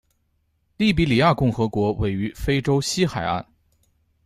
利比里亚共和国位于非洲西海岸。